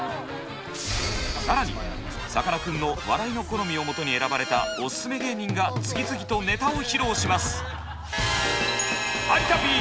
更にさかなクンの笑いの好みをもとに選ばれたオススメ芸人が次々とネタを披露します。